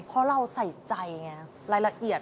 เพราะเราใส่ใจไงรายละเอียด